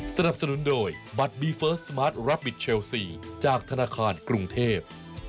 สนับสนุนโดยบัตรบีเฟิร์สสมาร์ทรับบิทเชลซีจากธนาคารกรุงเทพ